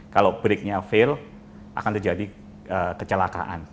kalau breaknya fail akan terjadi kecelakaan